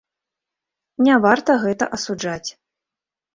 Не варта гэта асуджаць.